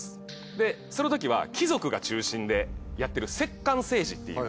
でそのときは貴族が中心でやってる摂関政治っていう